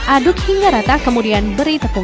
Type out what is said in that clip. aduk hingga rata kemudian beritahunya